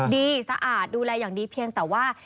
สะอาดดูแลอย่างดีเพียงแต่ว่า